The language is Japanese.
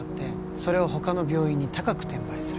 それを他の病院に高く転売する